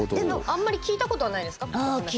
あんまり聞いたことはないですか？